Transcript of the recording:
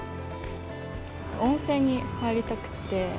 温泉に入りたくて。